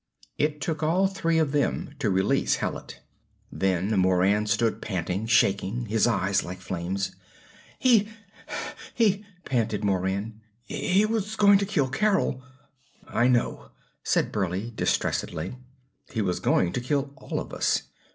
It took all three of them to release Hallet. Then Moran stood panting, shaking, his eyes like flames. "He he " panted Moran. "He was going to kill Carol!" "I know," said Burleigh, distressedly. "He was going to kill all of us.